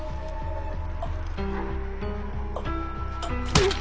うっ！